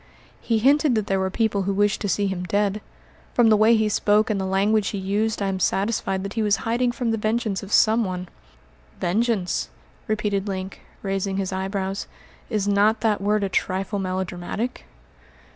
"He hinted that there were people who wished to see him dead. From the way he spoke and the language he used I am satisfied that he was hiding from the vengeance of some one." "Vengeance!" repeated Link, raising his eyebrows. "Is not that word a trifle melodramatic?"